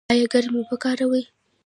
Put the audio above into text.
ایا ګرمې اوبه کاروئ؟